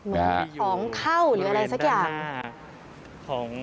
เหมือนมีของเข้าหรืออะไรสักอย่าง